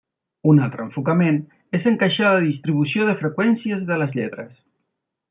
Un altre enfocament és encaixar la distribució de freqüències de les lletres.